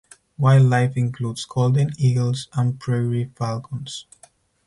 Wildlife includes golden eagles and prairie falcons.